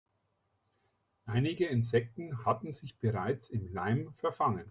Einige Insekten hatten sich bereits im Leim verfangen.